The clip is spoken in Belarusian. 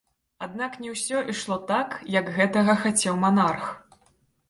Аднак, не ўсё ішло так, як гэтага хацеў манарх.